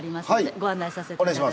ご案内させていただきます。